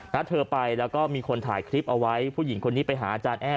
เธอไปแล้วก็มีคนถ่ายคลิปเอาไว้ผู้หญิงคนนี้ไปหาอาจารย์แอ้